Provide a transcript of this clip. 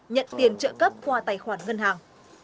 nhận tiền trợ cấp qua tài khoản ngân hàng